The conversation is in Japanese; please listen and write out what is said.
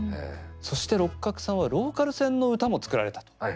そして六角さんはローカル線の歌も作られたと。